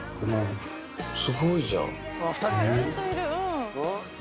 すごいじゃん。